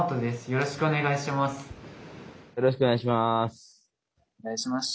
よろしくお願いします。